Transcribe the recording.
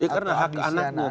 karena hak anaknya